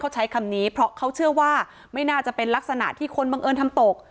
เชื่อว่าไม่น่าจะเป็นลักษณะที่คนบังเอิญทำตก